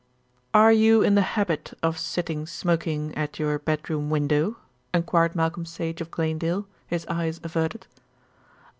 "Are you in the habit of sitting smoking at your bedroom window?" enquired Malcolm Sage of Glanedale, his eyes averted.